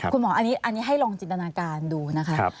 คุณหมออันนี้ให้ลองจินตนาการดูนะคะ